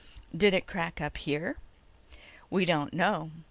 "Did it crack up here?" "We don't know.